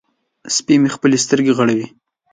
سپی مې خپلې سترګې غړوي.